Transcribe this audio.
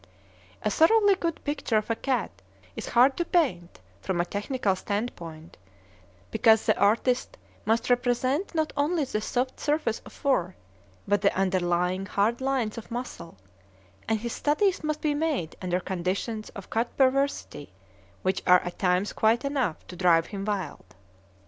A thoroughly good picture of a cat is hard to paint, from a technical standpoint, because the artist must represent not only the soft surface of fur, but the underlying hard lines of muscle: and his studies must be made under conditions of cat perversity which are at times quite enough to drive him wild.